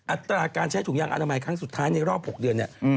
อัตราการใช้ถุงยางอนามัยครั้งสุดท้ายในรอบ๖เดือนเนี่ย